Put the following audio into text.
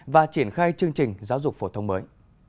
và triển khai chương trình giáo dục phổ thông mới